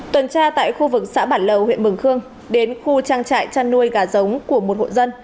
tuần tra tại khu vực xã bản lầu huyện mường khương đến khu trang trại chăn nuôi gà giống của một hộ dân